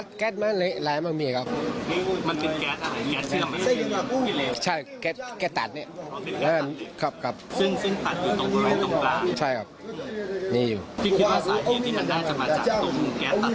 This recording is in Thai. ใช่ครับนี้อยู่